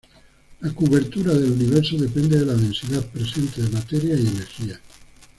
La curvatura del Universo depende de la densidad presente de materia y energía.